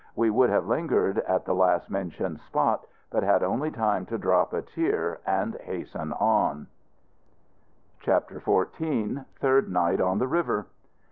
We would have lingered at the last mentioned spot, but had only time to drop a tear and hasten on. CHAPTER XIV. THIRD NIGHT ON THE RIVER.